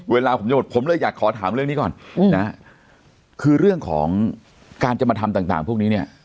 เวลาผมจะหมดผมเลยอยากขอถามเรื่องนี้ก่อนนะคือเรื่องของการจะมาทำต่างพวกนี้เนี่ย